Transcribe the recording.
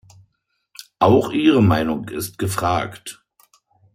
Auch Ihre Meinung ist gefragt.